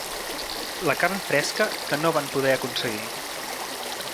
La carn fresca que no van poder aconseguir.